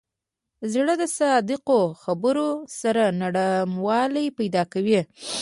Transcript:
زړه د صادقو خبرو سره نرموالی پیدا کوي.